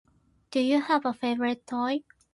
Do you have a favorite toy?